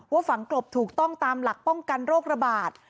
ฝังกลบถูกต้องตามหลักป้องกันโรคระบาด